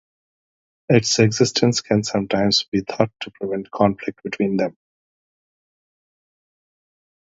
Its existence can sometimes be thought to prevent conflict between them.